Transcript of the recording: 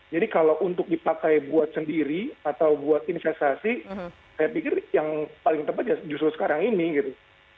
jadi kalau untuk dipakai buat sendiri atau buat investasi saya pikir yang paling tepat justru sekarang ini gitu